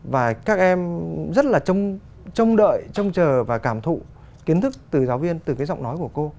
và các em rất là trông đợi trông chờ và cảm thụ kiến thức từ giáo viên từ cái giọng nói của cô